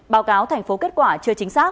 báo cáo thành phố kết quả chưa chính xác